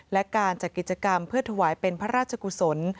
และการจัดกิจกรรมเพื่อถวายเป็นพระราชกุศล